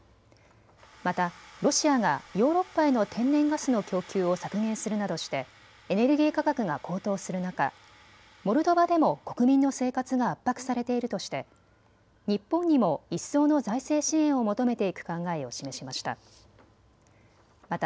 またロシアがヨーロッパへの天然ガスの供給を削減するなどしてエネルギー価格が高騰する中、モルドバでも国民の生活が圧迫されているとして日本にも一層の財政支援を求めていく考えを示しました。